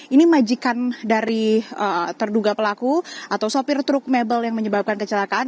ini majikan dari terduga pelaku atau sopir truk mebel yang menyebabkan kecelakaan